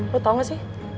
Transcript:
lo tau gak sih